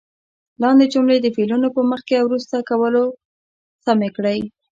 لاندې جملې د فعلونو په مخکې او وروسته کولو سمې کړئ.